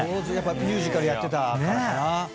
ミュージカルやってたからかな。